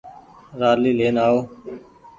رآلي لين آئو۔